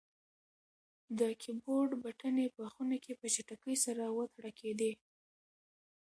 د کیبورډ بټنې په خونه کې په چټکۍ سره وتړکېدې.